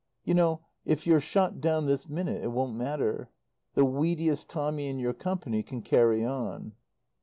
You know, if you're shot down this minute it won't matter. The weediest Tommy in your Company can "carry on."